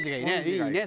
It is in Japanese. いいね。